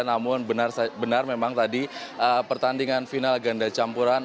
namun benar memang tadi pertandingan final ganda campuran